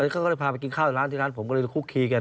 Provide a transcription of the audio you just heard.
เขาก็เลยพาไปกินข้าวที่ร้านที่ร้านผมก็เลยคุกคีกัน